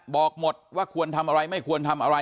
บอกหมดว่าควรทำอะไรไม่ควรทำอะไร